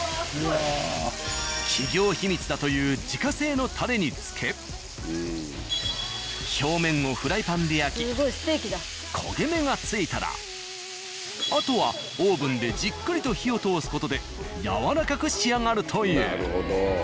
なんとそれを。に漬け表面をフライパンで焼き焦げ目がついたらあとはオーブンでじっくりと火を通す事でやわらかく仕上がるという。